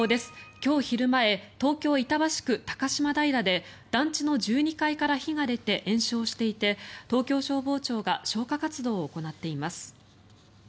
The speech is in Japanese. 今日昼前、東京・板橋区高島平で団地の１２階から火が出て延焼していて、東京消防庁が消火活動を行っています。